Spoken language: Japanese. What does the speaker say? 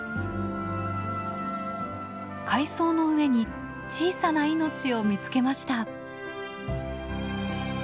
海藻の上に小さな命を見つけました。